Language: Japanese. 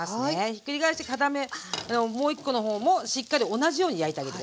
ひっくり返して片面もう一個の方もしっかり同じように焼いてあげて下さい。